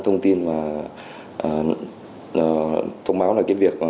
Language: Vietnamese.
thông tin và thông báo là cái việc